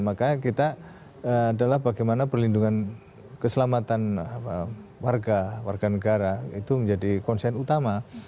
makanya kita adalah bagaimana perlindungan keselamatan warga warga negara itu menjadi konsen utama